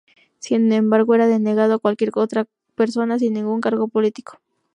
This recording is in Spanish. Sin embargo, era denegado a cualquier otra persona sin ningún cargo político.